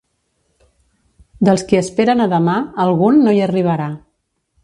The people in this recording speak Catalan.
Dels qui esperen a demà, algun no hi arribarà.